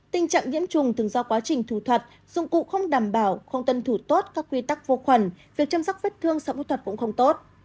tình trạng nhiễm trùng thường do quá trình thủ thuật dụng cụ không đảm bảo không tuân thủ tốt các quy tắc vô khuẩn việc chăm sóc vết thương sau phẫu thuật cũng không tốt